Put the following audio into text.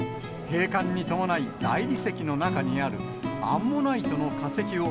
閉館に伴い、大理石の中にあるアンモナイトの化石を、